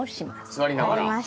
座りながら。